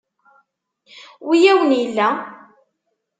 Wi awen-illa?